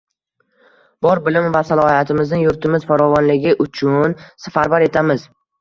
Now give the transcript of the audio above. Bor bilim va salohiyatimizni yurtimiz farovonligi uchun safarbar etamiz